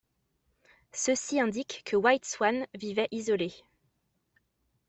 Ceci indique que White Swan vivait isolé.